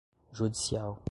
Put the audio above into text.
judicial